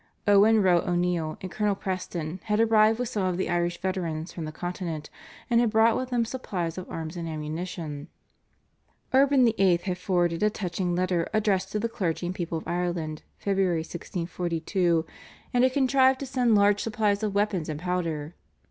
Owen Row O'Neill and Colonel Preston had arrived with some of the Irish veterans from the Continent, and had brought with them supplies of arms and ammunition. Urban VIII. had forwarded a touching letter addressed to the clergy and people of Ireland (Feb. 1642) and had contrived to send large supplies of weapons and powder.